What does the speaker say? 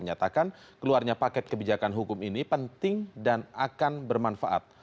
menyatakan keluarnya paket kebijakan hukum ini penting dan akan bermanfaat